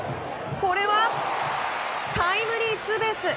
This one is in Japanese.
これはタイムリーツーベース。